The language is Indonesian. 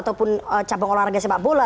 ataupun cabang olahraga sepak bola